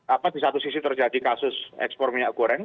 apa di satu sisi terjadi kasus ekspor minyak goreng